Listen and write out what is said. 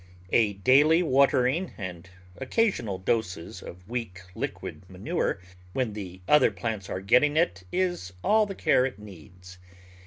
A daily watering, and occasional doses of weak liquid manure when the other plants are getting it is all the care it needs.